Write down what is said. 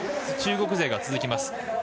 中国勢が続きます